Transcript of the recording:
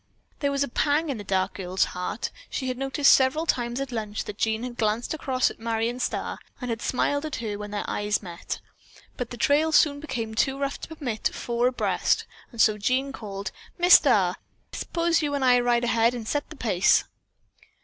There was a pang in the dark girl's heart. She had noticed several times at lunch that Jean had glanced across at Marion Starr and had smiled at her when their eyes met. But the trail soon became too rough to permit four to ride abreast, and so Jean called: "Miss Starr, suppose you and I ride ahead and set the pace."